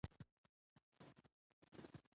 ژبې د افغانستان د ځانګړي ډول جغرافیه استازیتوب کوي.